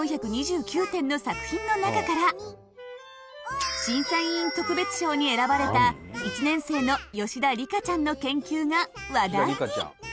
の中から審査委員特別賞に選ばれた１年生の吉田璃華ちゃんの研究が話題に。